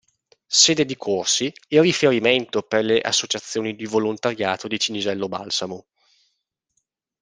Sede di corsi e riferimento per le associazioni di volontariato di Cinisello Balsamo.